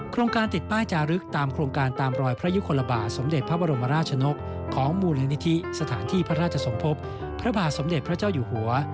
การติดป้ายจารึกตามโครงการตามรอยพระยุคลบาทสมเด็จพระบรมราชนกของมูลนิธิสถานที่พระราชสมภพพระบาทสมเด็จพระเจ้าอยู่หัว